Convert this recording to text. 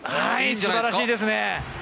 素晴らしいですね。